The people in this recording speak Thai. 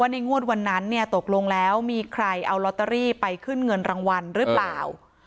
ในงวดวันนั้นเนี่ยตกลงแล้วมีใครเอาลอตเตอรี่ไปขึ้นเงินรางวัลหรือเปล่า